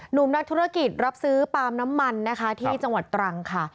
หนุ่มนักธุรกิจรับซื้อปาล์มน้ำมันนะคะที่จังหวัดตรังค่ะ